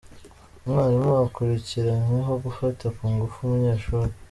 Umwarimu akurikiranyweho gufata ku ngufu umunyeshuri